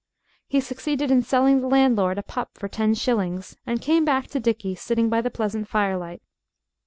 He succeeded in selling the landlord a pup for ten shillings and came back to Dickie sitting by the pleasant firelight.